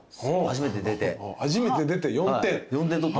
初めて出て４点。